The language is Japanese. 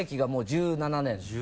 １７年。